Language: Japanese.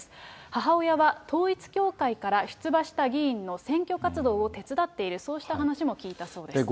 母親は統一教会から出馬した議員の選挙活動を手伝っている、そうした話も聞いたそうです。